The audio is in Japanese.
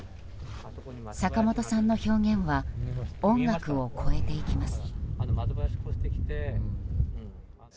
坂本さんの表現は音楽を超えていきます。